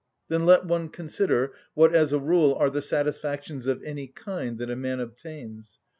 Then let one consider what as a rule are the satisfactions of any kind that a man obtains.